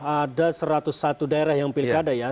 ada satu ratus satu daerah yang pilkada ya